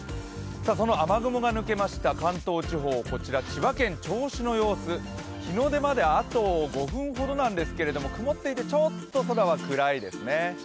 その雨雲が抜けました関東地方、こちら千葉県銚子の様子、日の出まであと５分ほどですが曇っていてちょっと空は暗いですね。